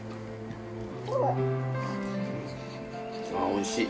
おいしい。